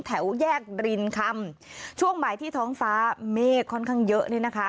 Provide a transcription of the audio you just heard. แถวแยกรินคำช่วงบ่ายที่ท้องฟ้าเมฆค่อนข้างเยอะนี่นะคะ